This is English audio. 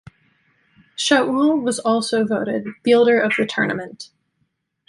Shaul was also voted fielder of the tournament.